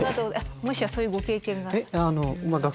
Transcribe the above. もしやそういうご経験が？